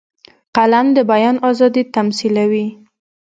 قلم د بیان آزادي تمثیلوي